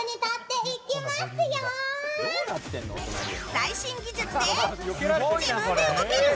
最新技術で、自分で動ける！